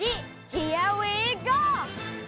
ヒアウィーゴー！